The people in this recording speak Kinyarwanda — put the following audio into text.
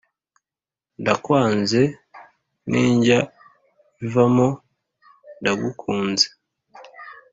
Ndakwanze ntijya ivamo ndagukunze.